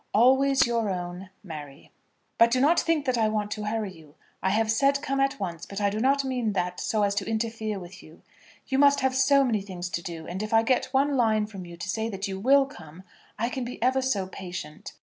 Always your own, MARY. But do not think that I want to hurry you. I have said come at once; but I do not mean that so as to interfere with you. You must have so many things to do; and if I get one line from you to say that you will come, I can be ever so patient.